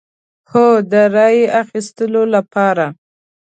هو، د رای اخیستو لپاره